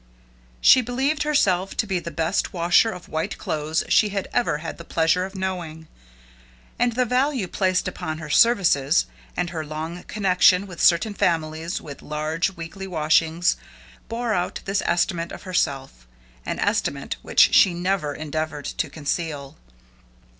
She believed herself to be the best washer of white clothes she had ever had the pleasure of knowing, and the value placed upon her services, and her long connection with certain families with large weekly washings, bore out this estimate of herself an estimate which she never endeavored to conceal.